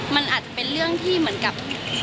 มันอาจเป็นเรื่องที่เหมือนกับ